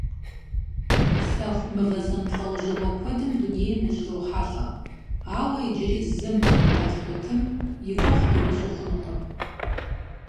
Сэху мывэ зэмылӀэужьыгъуэ куэдым дунейм ущрохьэлӀэ, ауэ иджыри зым налкъутым и гугъу дымыщӀу хъункъым.